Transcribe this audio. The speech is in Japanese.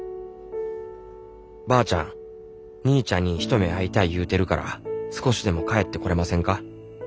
ばあちゃん兄ちゃんに一目会いたい言うてるから少しでも帰ってこれませんか？